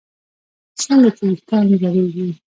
څنګه چې ویښتان زړېږي